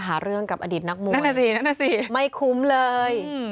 หาเรื่องกับอดีตนักมวยไม่คุ้มเลยนั่นสิ